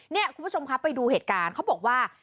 นี่คุณผู้ชมครับไปดูเหตุการณ์เขาบอกว่า